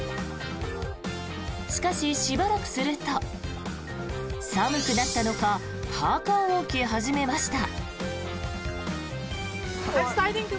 しかし、しばらくすると寒くなったのかパーカを着始めました。